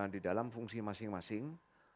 di dalam fungsi masing masing